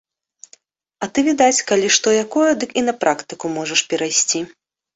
А ты, відаць, калі што якое, дык і на практыку можаш перайсці.